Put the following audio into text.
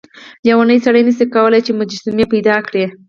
لیونی سړی نشي کولای چې مجسمې پیدا کړي.